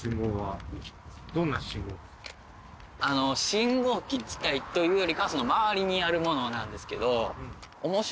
信号機自体というよりか周りにあるものなんですけど。